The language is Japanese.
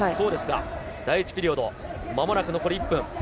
第１ピリオド、まもなく残り１分。